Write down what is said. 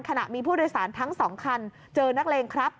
ขณะมีผู้โดยสารทั้ง๒คันเจอนักเลงครับ